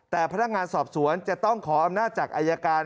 แต่พนักงานสอบสวนจะต้องขออำนาจจากอายการ